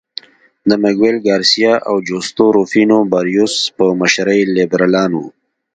د مګویل ګارسیا او جوستو روفینو باریوس په مشرۍ لیبرالان وو.